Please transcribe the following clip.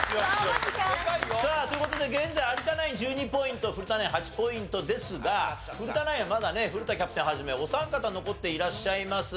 さあという事で現在有田ナイン１２ポイント古田ナイン８ポイントですが古田ナインはまだね古田キャプテンを始めお三方残っていらっしゃいます。